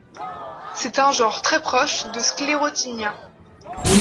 C'est un genre très proche de Sclérotinia.